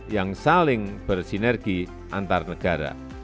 yang saling bersinergi antar negara